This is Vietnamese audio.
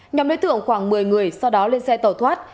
nhóm đối tượng khoảng một mươi người sau đó lên xe tàu thoát